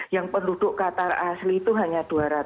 yang penduduk qatar asli itu hanya dua ratus